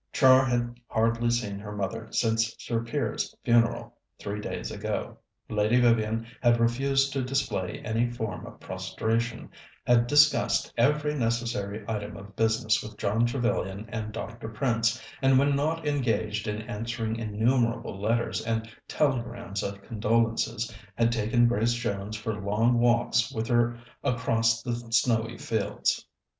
Char had hardly seen her mother since Sir Piers's funeral, three days ago. Lady Vivian had refused to display any form of prostration, had discussed every necessary item of business with John Trevellyan and Dr. Prince, and when not engaged in answering innumerable letters and telegrams of condolences, had taken Grace Jones for long walks with her across the snowy fields.